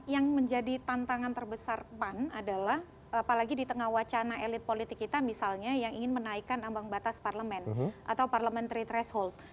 yang menjadi tantangan terbesar pan adalah apalagi di tengah wacana elit politik kita misalnya yang ingin menaikkan ambang batas parlemen atau parliamentary threshold